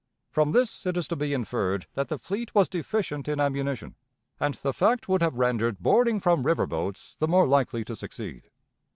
From this it is to be inferred that the fleet was deficient in ammunition, and the fact would have rendered boarding from river boats the more likely to succeed.